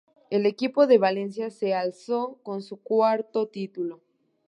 El equipo de Valencia se alzó con su cuarto título.